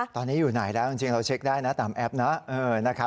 ตอนนี้อยู่ไหนแล้วจริงเราเช็คได้นะตามแอปนะ